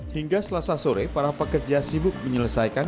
hingga selasa sore para pekerja sibuk menyelesaikan